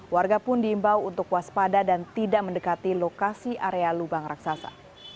warga pun diimbau untuk waspada dan tidak mendekati lokasi area lubang raksasa